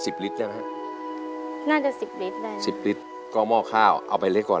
ลิตรแล้วฮะน่าจะสิบลิตรได้สิบลิตรก็หม้อข้าวเอาไปเล็กก่อน